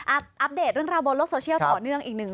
อัปเดตเรื่องราวบนโลกโซเชียลต่อเนื่องอีกหนึ่ง